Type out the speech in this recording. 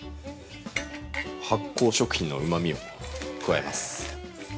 発酵食品のうまみを加えます。